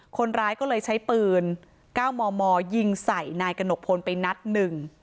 คนร้ายก็เลยใช้ปืน๙มมยิงใส่นายกระหนกพลไปนัดหนึ่ง